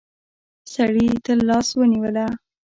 سړي تر لاس ونيوله.